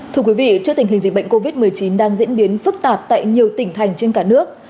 thưa quý vị trước tình hình dịch bệnh covid một mươi chín đang diễn biến phức tạp tại nhiều tỉnh thành trên cả nước